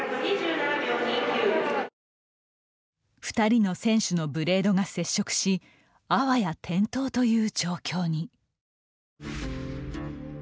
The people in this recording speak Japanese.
二人の選手のブレードが接触しあわや転倒という状況に。